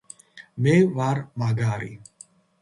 მე ვარ მაგარი.